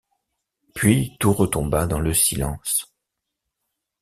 puis tout retomba dans le silence